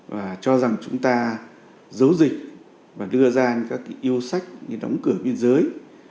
và cho rằng chúng ta giấu dịch và đưa ra những yêu sách như đóng cửa biên giới